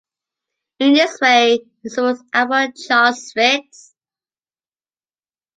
In this way he supports Abbot Charles Ritz.